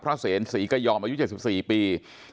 พระเศรษฐกยอมอายุ๗๔ปี